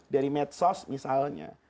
dari medsos misalnya